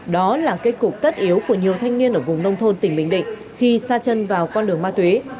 đó là kết cục tất yếu của nhiều thanh niên ở vùng nông thôn tỉnh bình định khi xa chân vào con đường ma túy